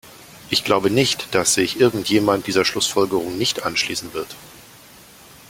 Ich glaube nicht, dass sich irgendjemand dieser Schlussfolgerung nicht anschließen wird.